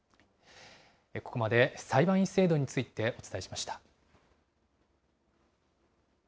ここまで裁判員制度についてお伝えしました。